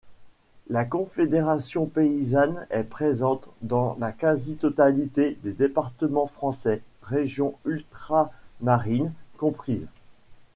La Confédération paysanne est présente dans la quasi-totalité des départements français, régions ultra-marines comprises.